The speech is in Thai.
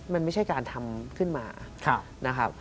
มันไม่ใช่การทำขึ้นมา